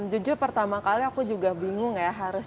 jujur pertama kali aku juga bingung ya